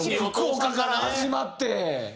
福岡から始まって。